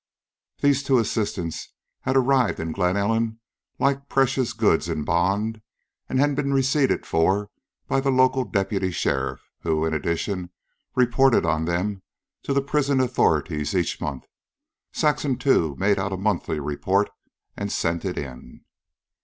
These two assistants had arrived in Glen Ellen like precious goods in bond and been receipted for by the local deputy sheriff, who, in addition, reported on them to the prison authorities each month. Saxon, too, made out a monthly report and sent it in.